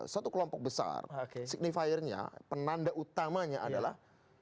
satu kelompok besar signifiernya penanda utamanya adalah